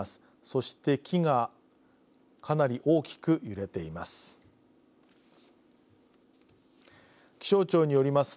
そして、木がかなり大きく揺れています。